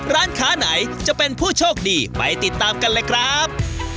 ร้านค้าไหนจะเป็นผู้โชคดีไปติดตามกันเลยครับ